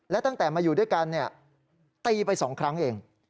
และตั้งแต่มาอยู่ด้วยกันตีไป๒ครั้งเอง